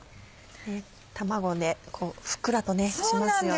卵でふっくらとしますよね。